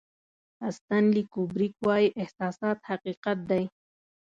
استنلي کوبریک وایي احساسات حقیقت دی.